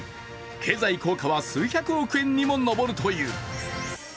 経済効果は数百億円にも上るという。